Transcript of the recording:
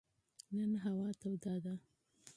نن هوا توده ده.